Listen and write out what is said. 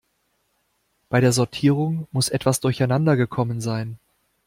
Bei der Sortierung muss etwas durcheinander gekommen sein.